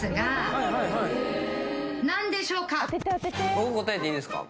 僕答えていいですか？